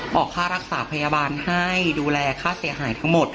ออกค่ารักษาพยาบาลให้ดูแลค่าเสียหายทั้งหมด